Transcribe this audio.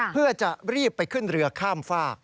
เพื่อจะรีบไปขึ้นเรือข้ามฝาก